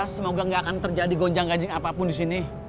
semoga gak akan terjadi gonjang ganjing apapun disini